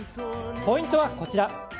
ポイントはこちら。